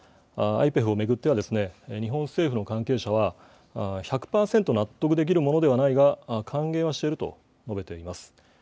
ＩＰＥＦを巡っては、日本政府の関係者は、１００％納得できるものではないが、歓迎はしていると述べています。